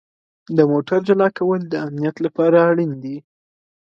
د موټر جلا کول د امنیت لپاره اړین دي.